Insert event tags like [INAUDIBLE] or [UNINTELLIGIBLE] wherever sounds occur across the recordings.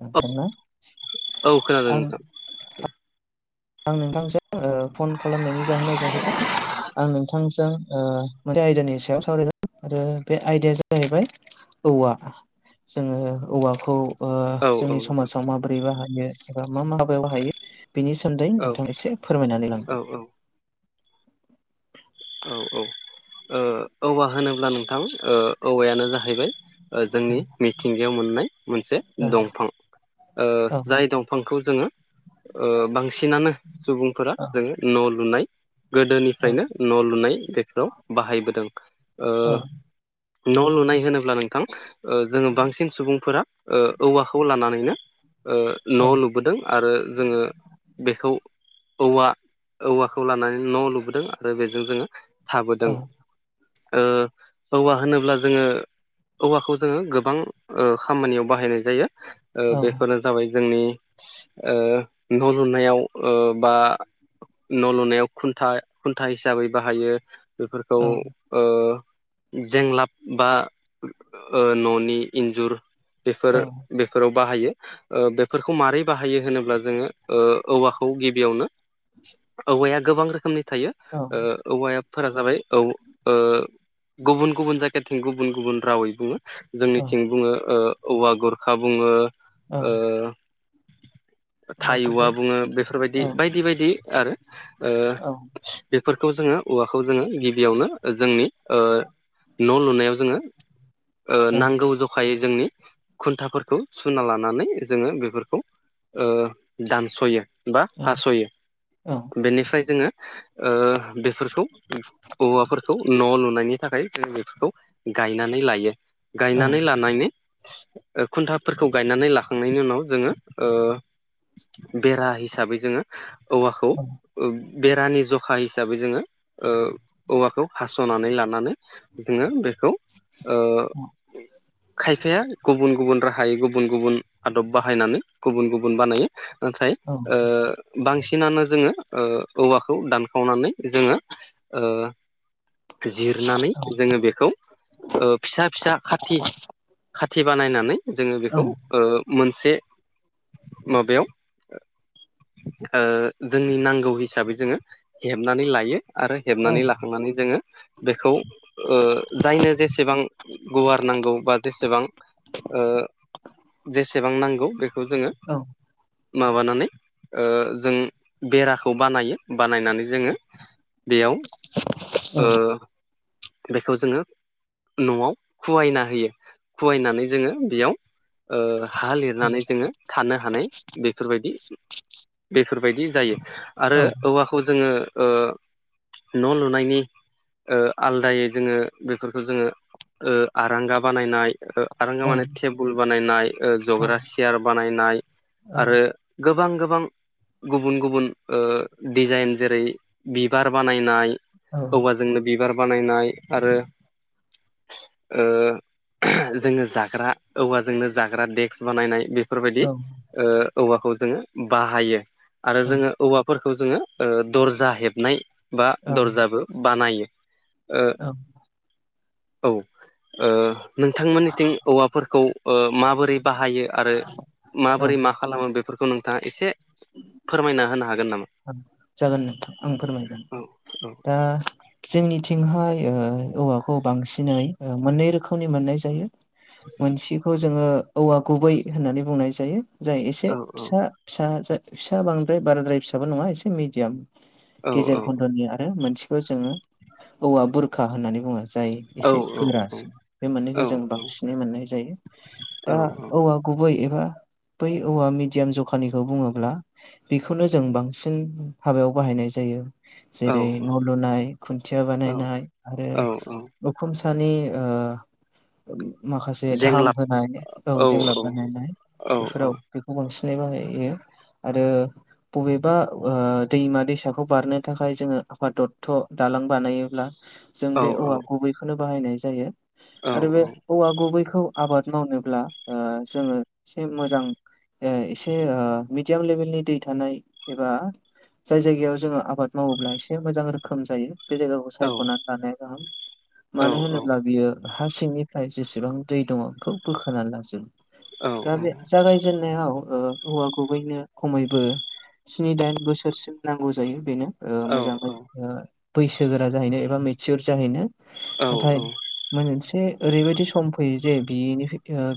ना औ औ खोनादों आं नोंथां। आं नोंथांसो ओ फन खालामनायनि जाहोना जाहैबाय आं नोंथांजों ओ मोनसे आयदानि सायाव सावरायगोन ओ आरो बे आयदाया जाहैबाय औवा जोङो औवाखौ ओ औ औ जोंनि नोंथां समाजाव माबोरै बाहायो एबा मा मा हाबायाव बाहायो बेनि सो मोन्दै औ नोंथाङा एसे फोरमायनानै औ लांदों। औ ओ औवा होनोब्ला नोंथां ओ औवायानो जाहैबाय ओ औ जोंनि मिथिंगायाव मोननाय मोनसे दंफां। ओ औ जाय दंफांखौ जोङो ओ बांसिनानो सुबुंफोरा औ जोङो न' लुनाय औ गोदोनिफ्रायनो न' लुनाय बेखौ बाहायबोदों, ओ औ न' लुनाय होनोब्ला नोंथां ओ जोङो बांसिन सुबुंफोरा ओ औवाखौ लानानैनो ओ औ न' लुबोदों। आरो जोङो बेखौ औवा औवाखौ लानानै न' लुबोदों आरो बेजों जोङो औ थाबोदों। ओ औवा होनोब्ला जोङो औवाखौ जोङो गोबां ओ खामानियाव बाहायनाय जायो, ओ औ बेफोरनो जाबाय जोंनि ओ न' लुनायाव ओ बा न' लुनायाव खुन्था खुन्था हिसाबै बाहायो। बेफोरखौ औ। ओ जेंलाब बा ओ न'नि इन्जुर। बेफोर औ बेफोराव बाहायो ओ बेफोरखौ मारै बाहायो होनोब्ला जोङो ओ औवाखौ गिबियावनो औवाया गोबां रोखोमनि थायो ओ औवायाफोरा जाबाय औ ओ गुबुन गुबुन जायगाथिं गुबुन गुबुन रावै बुङो। औ जोंनिथिं बुङो औवा गुरखा बुङो औ ओ औवा थायउवा गुबै बुङो, बेफोरबायदि औ बायदि बायदि आरो औ बेफोर खौ जोङो औवाखौ जोङो गिबियावनो जोंनि ओ न' लुनायाव जोङो ओ औ नांगौ जखायै जोंनि खुन्थाफोरखौ सुना लानानै जोङो बेफोरखौ ओ दानस'यो बा औ हास'यो औ बेनिफ्राय जोङो ओ बेफोरखौ औवाफोरखौ न' लुनायनि थाखाय जों बेफोरखौ गायनानै लायो। गायनानै लानायनि खुन्थाफोरखौ गायनानै लाखांनायनि उनाव जोङो ओ बेरा हिसाबै जोङो औवाखौ बेरानि जखा हिसाबै जोङो ओ औवाखौ हास'नानै लानानै जोङो बेखौ ओ खायफाया गुबुन गुबुन राहायै गुबुन गुबुन आदब बाहायनानै गुबुन गुबुन बानायो। नाथाय ओ बांसिनानो जोङो ओ औवाखौ दानखावनानै जोङो ओ जिरनानै जोङो बेखौ ओ फिसा फिसा खाथि खाथि बानायनानै जोङो बेखौ ओ मोनसे माबायाव जोंनि नांगौ हिसाबै जोङो हेबनानै लायो आरो हेबनानै ला जोङो बेखौ ओ जायनो जेसेबां गुवार नांगौ बा जेसेबां जेसेबां नांगौ बेखौ जोङो औ माबानानै जों बेराखौ बानायो बानायनानै जोङो बेयाव औ बेखौ जोङो न'आव खवायना होयो खवायनानै जोङो बेयाव ओ हा लिरनानै जोंङो थानो हानाय बेफोरबायदि बेफोरबायदि जायो आरो औ औवाखौजोंङो ओ न लु नायनि ओ आलदायै जोंङो बेफोरखौ जोंङो ओ आरांगा बानायनाय ओ आरांगा औ माने टेबोल बानायनाय औ जग्रा सियार बानायनाय औ आरो गोबां गोबां गोबां गुबुन गुबुन ओ डिजाइन जेरै बिबार बानायनाय औवाजोंनो बिबार बानायनाय आरो ओ जोंङो जाग्रा औवाजोंनो जाग्रा देक्स बानायनाय बे बेफोरबायदि ओं ओ औवाखौ जोंङो बाहायो आरो जोंङो औवाफोरखौ खौ ओ जोंङो दरजा हेबनाय बा दरजाबो बानायो औ औ ओ नोंथांमोननिथिं औवाफोरखौ ओ माबोरै बाहायो आरो ओं माबोरै मा खालामो बेफोरखौ नोंथाङा एसे फोरमायना होनो हागोन नामा जागोन नोंथां आं फोरमायगोन औ औ दा जोंनिथिंहाय ओ औवाखौ बांसिनै मोननै रोखोमनि मोननाय जायो मोनसेखौ जोंङो औवा गुबै होननानै बुंनाय जायो [INAUDIBLE] [INAUDIBLE] जाय एसे औ फिसा फिसा फिसा बांद्राय बाराद्राय फिसाबो नङा एसे मिडियाम औ गेजेर खन्दनि आरो मोनसेखौ जोंङो औवा बुरखा होननानै बुङो जाय औ एसे गोरासिन बे औ मोननैखौ जों बांसिनै मोननाय जायो दा औवा गुबै बै औवा मिडयाम जखानिखौ बुङोब्ला बेखौनो जों बांसिन हाबायाव बाहायनाय जायो औ जेरै न लुनाय खुन्थिया बानायनाय आरो औ औ उखुम नि ओ माखासे थाम जेंलाब होनाय औ जेंलाब बानायनाय औ बेफोराव बेखौ बांसिन बाहायो आरो बबेबा दैमा दैसाखौ बारनो थाखाय जोंङो आफाद दत्त दालां बानायोब्ला जों औ बे औ औवा गुबैखौनो बाहायनाय जायो आरो बे औवा गुबैखौ खौ आबाद मावनोब्ला ओ जोंङो एसे मोजां एसे मिडियाम लेभेलनि दै थानाय एबा जाय जायगायाव जोङो आबाद मावोब्ला एसे मोजां रोखोम जायो बे जायगाखौ सायखनानै लानाया गाहाम मानो होनोब्ला बियो हा सिंनिफ्राय जेसेबां दै दङ बेखौ बोखोना लाजोबो दा बे जागायजेननायाव हौवा गुबैनो खमैबो स्नि दाइन बोसोरसिम नांगौ जायो बेनो ओ मोजाङैहोजोबनो बैसोगोरा जाहैनो एबा मेचयर जाहैनो नाथाय मोनसे ओरैबायदि सम फैयो जे बिनि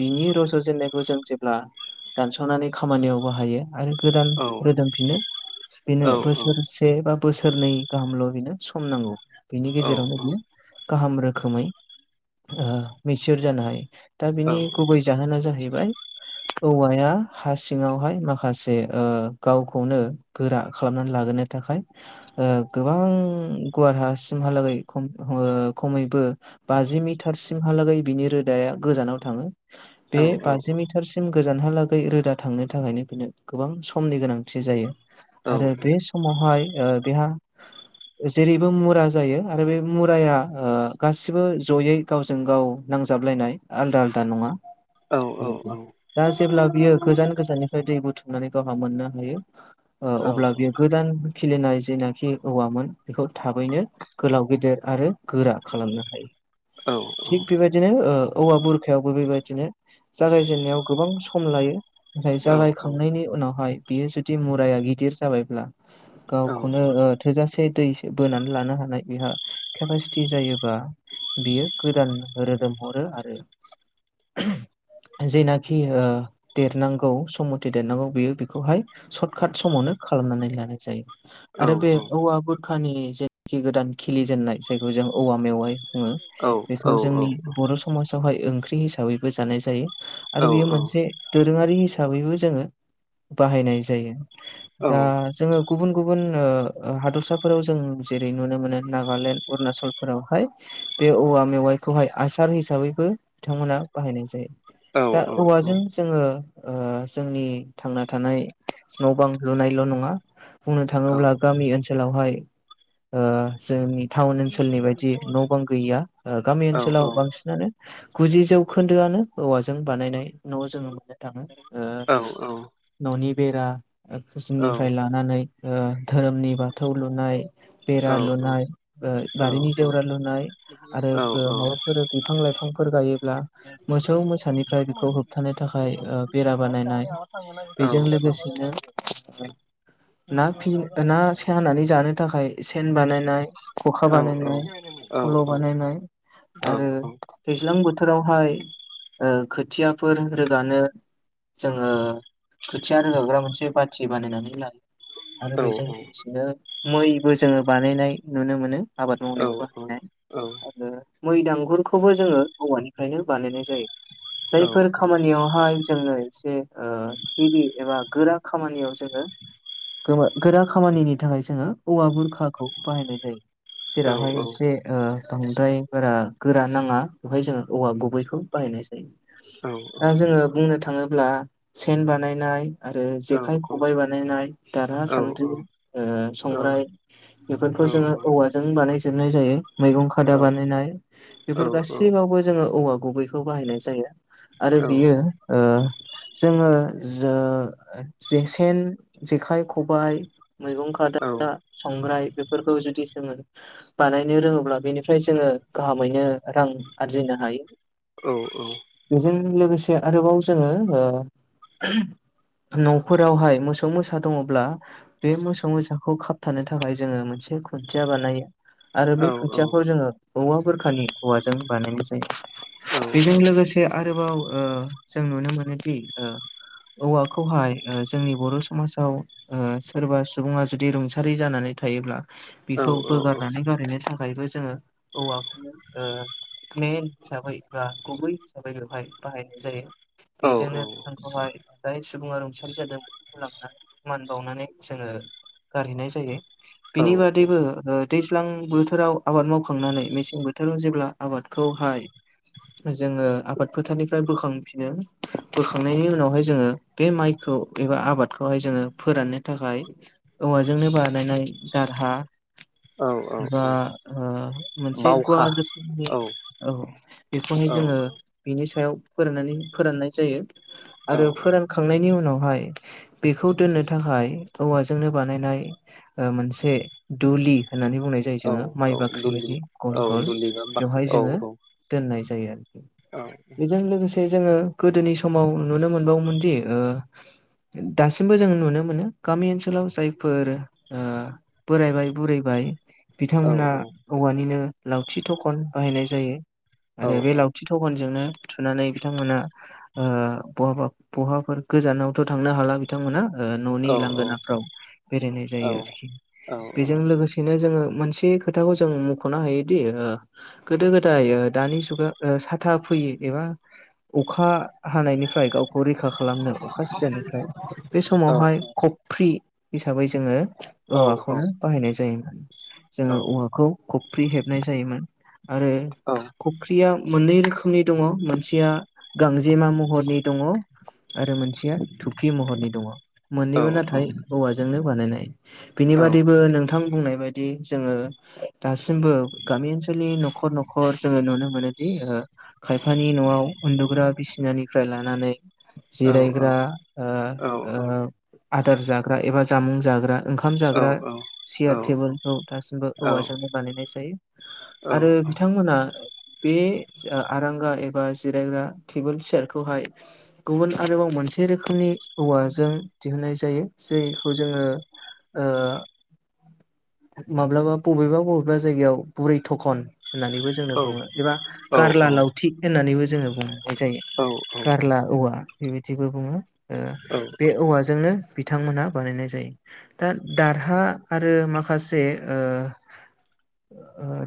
बिनि रजजेनन्नायखौ जों जेब्ला दानसनानै खामानियाव बाहायो आरो गोदान रोदोमफिनो बेनो बोसोरसे बोसोरनै गाहामल बिनो सम नांगौ बेनि गेजेरावनो बियो गाहाम रोखोमै मिसोर जानाय दा बिनि गुबै जाहोना जाहैबाय औवाया हा सिङावहाय माखासे ओ गावखौनो गोरा खालामनानै लागोनो थाखाय ओ गोबां गुवारहासिम हालाखै खमैबो बाजि मिटारसिमहालागै बिनि रोदाया गोजानाव थाङो बे बाजि मिटारसिम गोजानहालागै रोदा थांनो थाखायनो बेनो गोबां सम समनि गोनांथि जायो आरो बे समावहाय बेहा जेरैबो मुरा जायो आरो बे मुराया ओ गासिबो जयै गावजों गाव नांजाबलायनाय आलदा आलदा नङा बेबायदि दा जेब्ला बियो गोजान गोजाननिफ्राय दै बुथुमनानै जहा मोननो हायो अब्ला बियो गोजान खिलिनाय जेनाखि औवामोन बेखौ थाबैनो गोलाव गेदेर आरो गोरा खालामनो हायो थिक बेबायदिनो ओ औवा बुरखायावबो बेबायदिनो जागायजेनन्नायाव गोबां सम लायो नाथाय जागायखांनायनि उनावहाय बियो जुदि मुराया गिदिर जाबायब्ला गावखौनो ओ थोजासे दै सो बोन- नानै लानो हानाय बेहा केपासि जायोबा बियो गोदान रोदोम हरो आरो जेनाखि ओ देरनांगौ सममथि देरनांगौ बेयो बेखौहाय सर्ट काट समावनो खालामनानै लानाय जायो आरो बे औवा बुरखानि जेखि गोदान खिलि जेननाय जायखौ जों औवा मेवाय बुङो बेखौ जोंनि बर' समाज आवहाय ओंख्रि हिसाबैबो जानाय जायो आरो बेयो मोनसे दोरोङारि हिसाबैबो जोङो [UNINTELLIGIBLE] बाहायनाय जायो दा जोङो गुबुन गुबुन ओ हादरसाफोराव जों जेरै नुनो मोनो नागालेण्ड अरुणाचलफोरावहाय बे औवा मेवाइखौहाय हासार हिसाबैबो बिथांमोना बाहायनाय जायो दा औवाजों जोङो ओ जोंनि थांना थानाय न' बां लुनायल' नङा बुंनो थाङोब्ला गामि ओनसोलावहाय ओ जोंनि टाउन ओनसोलनि बायदि न' बां गैया ओ गामि ओनसोलाव बांसिनानो गुजि जौखोन्दोआनो औवाजों बानायनाय न' जोङो मोननो थाङो ओ औ औ न'नि बेरा ओखोसिं निफ्राय लानानै ओ धोरोमनि बाथौ लुनाय बे आ लुनाय बारिनि जेवरा लुनाय आरोबो माबाफोर बिफां लाइफांफोर गायोब्ला मोसौ मोसानिफ्राय बेखौ होबथानो थाखाय आय ओ माय बेरा बानायनाय बेजों लोगोसेनो ना फि ना सानानै जानो थाखाय सेन बानायनाय खखा बानायनाय फल' बानायनाय आरो दैज्लां बोथोरावहाय ओ खोथियाफोर रोगानो जोङो खोथिया रोगाग्रा मोनसे बाथि बानायनानै लायो आरो बेजों लोगोसेनो मैबो जोङो बानायनाय नुनो मोनो आबाद मावनायाव बाहायनाय आरो मै दांगुरखौबो जोङो औवानिफ्रायनो बानायनाय जायो जायफोर खामानियावहाय जोंनो एसे ओ हिबि एबा गोरा खामानियाव जोङो गोमा गोरा खामानिनि थाखाय जोङो औवा बुरखाखौ बाहायनाय जायो बावखा जेरावहाय औ एसे बांद्राय गोरा गोरा नाङा बेवहाय जोङो औवा गुबैखौ बाहाय नाय जायो दा जोङो बुंनो थाङोब्ला सेनबानाय- बानायनाय आरो जेखाइ खबाइ बानायनाय दारा सान्द्रि ओ संग्राय बेफोरखौ जोङो औवाजों बानायजोबनाय जायो मैगं खादा बानायनाय बेफोर गासैयाव बो जोङो औवा गुबैखौ बाहायनाय जायो आरो बियो ओ जोङो ज जेखेन जेखाइ खबाइ मैगं खादा सं ग्राय बेफोरखौ जुदि जोङो बानायनो रोङोब्ला बेनिफ्राय जोङो गाहामैनो रां आरजिनो हायो औ बेजों लोगोसे आरोबाव जोङो ओ न'फोरावहाय मोसौ मोसा दङब्ला बे मोसौ मोसाखौ खाबथानो थाखाय जोङो मोनसे खुदिया बानायो आरो बे खुन्थियाखौ जोङो औवा बोरखानि हौवाजों बानायनाय जायो। बेजों लोगोसे आरोबाव ओ जों नुनो मोनोदि ओ औवाखौहाय ओ जोंनि बर' समाजाव ओ सोरबा सुबुङा जुदि रुंसारि जाना नानै थायोब्ला बेखौ बोगारनानै गारहनो थाखायबो जोङो औवाखौनो ओ मेन हिसाबै बा गुबै हिसाबै बेवहाय बाहायनाय जायो बेजोंनो बेहाय जाय सुबुङा रुंसारि जादों मुलामफा मान बावनानै जोङो गारहैनाय जायो बिनि बादैबो ओ दैज्लां बोथोराव आबाद मावखांनानै मेसें बो जों जेब्ला आबादखौहाय जोङो आबाद फोथारनिफ्राय बोखांफिनो बोखां बेनि उनावहाय जोङो बे माइखौ एबा आबादखौहाय जोङो फोराननो थाखाय औवाजोंनो बे बानायनाय दारहा बा ओ मोनसे गुवाल रोखोमनि औ औ बेखौहाय जोङो बिनि सायाव फोराननानै फोराननाय जायो। आरो फोरानखांनायनि उनावहाय बेखौ दोननो थाखाय औवाजोंनो बानायनाय। मोनसे दुलि होननानै बुंनाय जायो औ जोङो माइ औ बाख्रि दुलि बायदि गल औ गल दुलि बा बाख्रि बेवहाय औ जोङो औ दोननाय जायो आरोखि औ बेजों लोगोसे जोङो गोदोनि समाव नुनो मोनबावोमोन दि ओ दासिमबो जों नुनो मोनो गामि ओनसोलाव जायफोर ओ बोरायबाय बुरैबाय औ बिथांमोना औवानिनो लावथि थखन बाहायनाय जायो। औ आरो बे लावथि थगनजोंनो थुनानै बिथांमोना ओ बहाबा बहाफोर गोजानावथ' थांनो हाला बिथांमोना ओ न'नि औ औ लांगोनाफ्राव बेरायनो। औ जायो आरोखि औ बेजों लोगोसेनो जोङो मोनसे खोथाखौ जों मख'नो हायोदि ओ गोदो गोदाय दानि जुगा ओ साथा फैयो एबा अखा हानायनिफ्राय गावखौ रैखा खालामनो अखा सिजानिफ्राय बे समावहाय औ कफ्रि हिसाबै जोङो औ औवाखौनो बाहायनाय जायोमोन। जोङो औवाखौ खफ्रि हेबनाय जायोमोन। आरो औ फुख्रिया मोननै रोखोमनि दङ मोनसेया गांजे मा महरनि दङ। आरो मोनसेया थुखि महरनि दङ मोननैबो नाथाय औवाजोंनो बानायनाय बेनि बेबादिबो नोंथां बुंनाय बायदि जोङो दासिमबो गामि ओनसोलनि न'खर न'खर जोङो नुनो मोनोदि ओ खायफानि न'आव उन्दुग्रा बिसिनानिफ्राय लानानै। जिरायग्रा ओ औ ओ औ आदार जाग्रा एबा जामुं जाग्रा ओंखाम औ जाग्रा औ सियार टेबोलखौ दासिमबो औवाजोंनो बानायनाय जायो। आरो बिथांमोना बे आरांगा एबा जिरायग्रा बेफोर बिसार खौहाय गुबुन आरोबाव मोनसे रोखोमनि औवाजों दिहुननाय जायो। दैखौ जोङो ओ माब्लाबा बबेबा बबेबा जायगायाव बुरै थखन होननानैबो जोंनो बुङो एबा गारला लावथिख होन्नानैबो जोङो बुंनाय जायो। गारला औवा बेबायदिबो बुङो ओ बे औवाजोंनो बिथांमोनहा बानायनाय जायो। दा दारहा आरो माखासे ओ ओ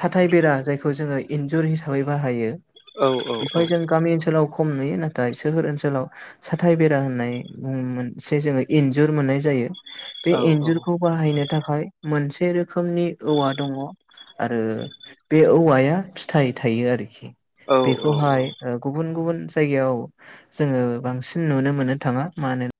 साथाय बेरा जायखौ जोङो इन्जुर हिसाबै बाहायो बिफ्राय जों गामि ओनसोलाव खम नुयो नाथाय सोहोर ओनसोलाव साथाइ बेरा होननाय मोनसे जों इन्जुर मोननाय जायो बे इन्जुरखौ बाहायनो थाखाय मोनसे रोखोमनि औवा दङ आरो बे औवाया फिथाइ थायो आरोखि औ औ औ। बेखौहाय ओ गुबुन गुबुन जायगायाव जोङो बांसिन नुनो मोननो थाङा मानो